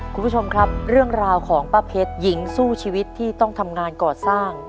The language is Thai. คุณผู้ชมครับเรื่องราวของป้าเพชรหญิงสู้ชีวิตที่ต้องทำงานก่อสร้าง